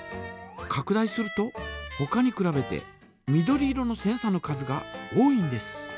かく大するとほかにくらべて緑色のセンサの数が多いんです。